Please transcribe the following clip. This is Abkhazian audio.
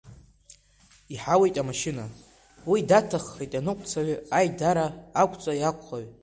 Иҳауит амашьына, уи даҭаххеит аныҟәцаҩы, аидара ақәҵаҩ-ақәхыҩ.